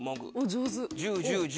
上手。